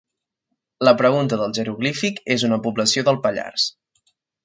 La pregunta del jeroglífic és una població del Pallars.